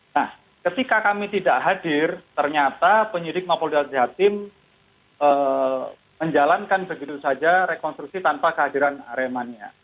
nah ketika kami tidak hadir ternyata penyidik mapolda jatim menjalankan begitu saja rekonstruksi tanpa kehadiran aremania